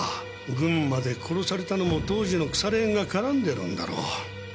群馬で殺されたのも当時の腐れ縁が絡んでるんだろう。